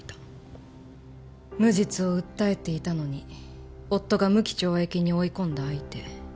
無実を訴えていたのに夫が無期懲役に追い込んだ相手。